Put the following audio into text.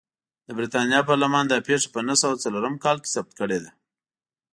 د برېټانیا پارلمان دا پېښه په نهه سوه څلورم کال کې ثبت کړې ده.